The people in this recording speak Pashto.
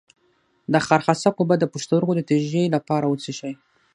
د خارخاسک اوبه د پښتورګو د تیږې لپاره وڅښئ